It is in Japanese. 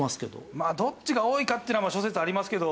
まあどっちが多いかっていうのは諸説ありますけど。